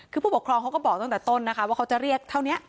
คือผู้ปกครองเขาก็บอกตั้งแต่ต้นนะคะว่าเขาจะเรียกเท่านี้